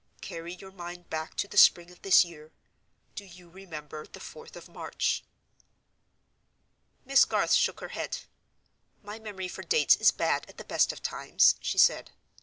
Carry your mind back to the spring of this year. Do you remember the fourth of March?" Miss Garth shook her head. "My memory for dates is bad at the best of times," she said.